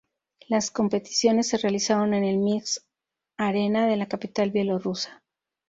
Las competiciones se realizaron en el Minsk Arena de la capital bielorrusa.